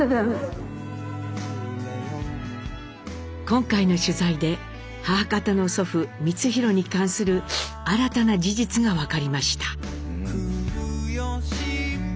今回の取材で母方の祖父光宏に関する新たな事実が分かりました。